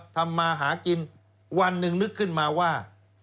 ทำมาหากินวันหนึ่งนึกขึ้นมาว่า